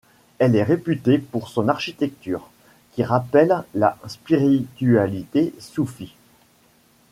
Elle est réputée pour son architecture, qui rappelle la spiritualité soufie.